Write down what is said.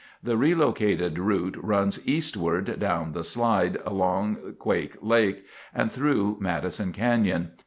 The relocated route runs eastward down the slide, along Quake Lake, and through Madison Canyon.